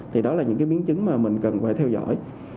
thì đó là những biến chứng mà mình cần phải theo dõi